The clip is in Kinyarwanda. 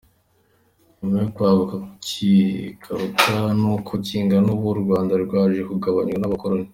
Nyuma yo kwaguka kikaruta n’uko kingana ubu, u Rwanda rwaje kugabanywa n’abakoloni.